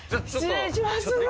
失礼します！